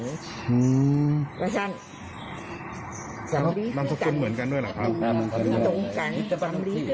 ไม่เอาหนุ่มฝั่งมาก่อนถูกแล้วก็ถูกเลย